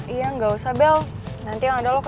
iya gue tanya cara apa